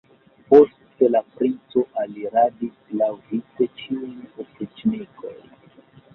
Post la princo aliradis laŭvice ĉiuj opriĉnikoj.